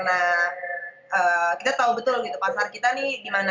jadi waktu itu kita beriklan pun kebanyakan memang di internet gitu istilahnya